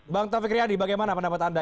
bang taufik riyadi bagaimana pendapat anda